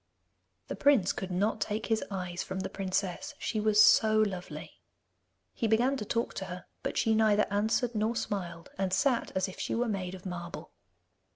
The prince could not take his eyes from the princess, she was so lovely! He began to talk to her, but she neither answered nor smiled, and sat as if she were made of marble.